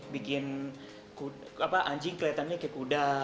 bikin anjing kelihatannya kayak kuda